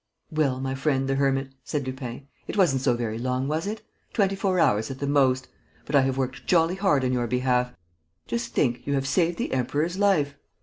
"Well, my friend, the hermit," said Lupin, "it wasn't so very long, was it? Twenty four hours at the most. ... But I have worked jolly hard on your behalf! Just think, you have saved the Emperor's life!